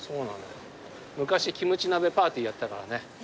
昔キムチ鍋パーティーやったからね。